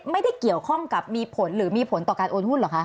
ไม่ได้เกี่ยวข้องกับมีผลหรือมีผลต่อการโอนหุ้นเหรอคะ